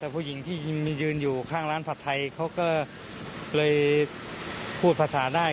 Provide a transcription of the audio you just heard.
แต่ผู้หญิงที่ยืนอยู่ข้างร้านผัดไทยเขาก็เลยพูดภาษาได้